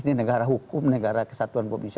ini negara hukum negara kesatuan